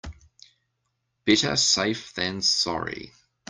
Better safe than sorry.